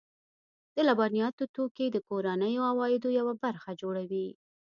د لبنیاتو توکي د کورنیو عوایدو یوه برخه جوړوي.